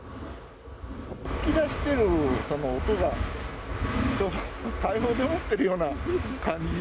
噴き出してるその音が、大砲でも撃ってるような感じ。